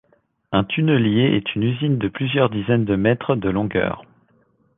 Un tunnelier est une usine de plusieurs dizaines de mètres de longueur.